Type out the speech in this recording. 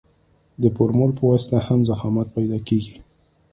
د فورمول په واسطه هم ضخامت پیدا کیږي